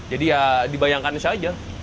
jadi ya dibayangkan saja